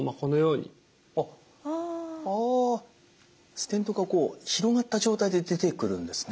ステントがこう広がった状態で出てくるんですね。